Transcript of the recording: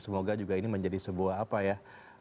semoga juga ini menjadi sebuah apa ya